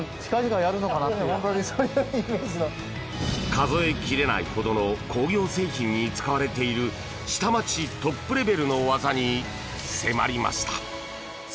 数え切れないほどの工業製品に使われている下町トップレベルの技に迫りました。